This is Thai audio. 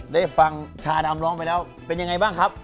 ได้ฟังชาดำร้องไปแล้วเป็นยังไงบ้างครับ